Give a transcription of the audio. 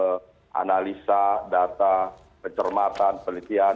berdasarkan analisa data pencermatan pelitian